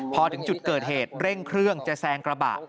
พอถึงจุดเกิดเหตุเร่งเครื่องจะแซงกระบะ